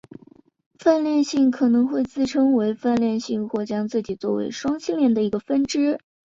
泛性恋可能会自称为泛性恋或将自己做为双性恋的一个分支。